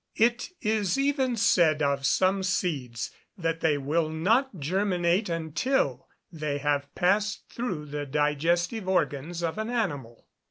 It is even said of some seeds that they will not germinate until they have passed through the digestive organs of an animal.